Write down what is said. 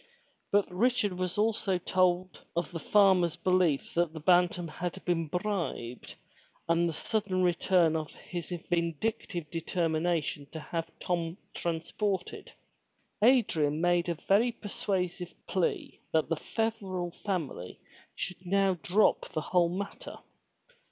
But Richard also told of the farmer's belief that the Bantam had been bribed and the sudden return of his vindictive determination to have Tom transported. Adrian made a very persuasive plea that the Feverel family should now drop the whole matter.